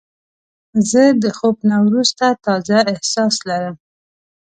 زه د خوب نه وروسته تازه احساس لرم.